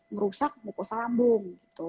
merusak mukosa lambung